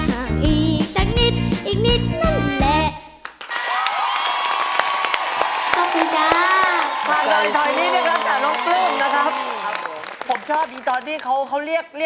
อีกสักนิดอีกนิดนั่นแหละ